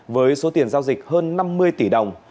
với số tiền giao dịch hơn năm mươi tỷ đồng